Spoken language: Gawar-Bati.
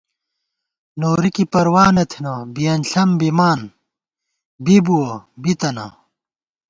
نوری کی پروا نہ تھنہ بِیَن ݪم بِمان بی بُوَہ بِی تنہ